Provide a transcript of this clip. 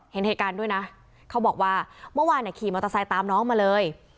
เห็นเหตุการณ์ด้วยนะเขาบอกว่าเมื่อวานขี่มอเตอร์ไซค์ตามน้องมาเลย